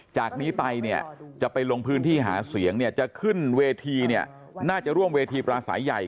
จากนี้ไปเนี่ยจะไปลงพื้นที่หาเสียงเนี่ยจะขึ้นเวทีเนี่ยน่าจะร่วมเวทีปราศัยใหญ่